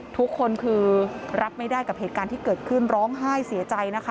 ทุกคนคือรับไม่ได้กับเหตุการณ์ที่เกิดขึ้นร้องไห้เสียใจนะคะ